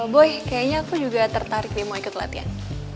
boy kayaknya aku juga tertarik nih mau ikut latihan